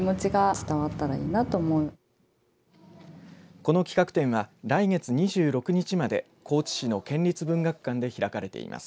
この企画展は来月２６日まで高知市の県立文学館で開かれています。